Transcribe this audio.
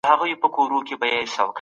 استقامت د ايمان وروسته ستر نعمت دی.